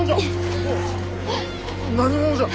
何者じゃ？